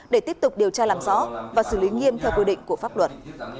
để tiếp tục điều tra làm rõ và xử lý nghiêm theo quy định của pháp luật